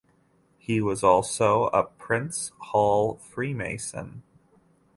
He was also a Prince Hall Freemason.